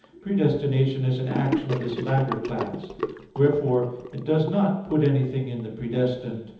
3, ad 1). Predestination is an action of this latter class. Wherefore, it does not put anything in the predestined.